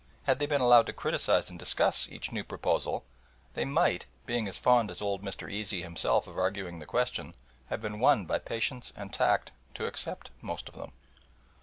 Had they been allowed to criticise and discuss each new proposal they might, being as fond as old Mr. Easy himself of arguing the question, have been won by patience and tact to accept most of them.